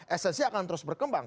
esensi akan terus berkembang